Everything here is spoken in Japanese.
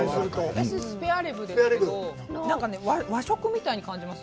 私、スペアリブですけど、和食みたいに感じます。